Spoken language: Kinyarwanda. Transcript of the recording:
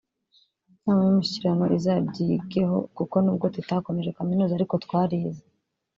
inama y’umushyikirano izabyigeho kuko nubwo tutakomeje kaminuza ariko twarize